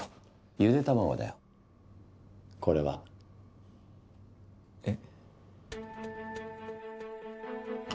茹で卵だよこれは。えっ？